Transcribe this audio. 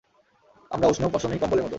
আমরা উষ্ণ পশমী কম্বলের মতো।